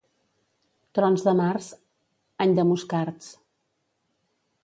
Trons de març, any de moscards.